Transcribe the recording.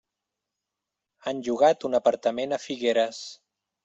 Han llogat un apartament a Figueres.